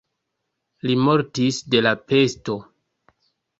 Li mortis de la pesto.